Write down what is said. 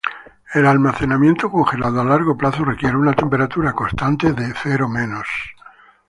El almacenamiento congelado a largo plazo requiere una temperatura constante de o menos.